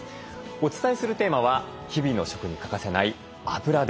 お伝えするテーマは日々の食に欠かせないあぶらです。